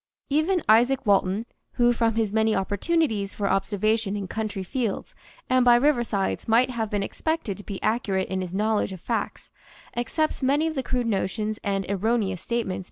Even Izaac Walton, who from his many opportunities for observation in country fields and by riversides might have been expected to be accurate in his knowledge of facts, accepts many of the crude notions and erroneous statements made by the writers who preceded him.